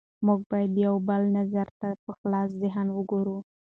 موږ باید د یو بل نظر ته په خلاص ذهن وګورو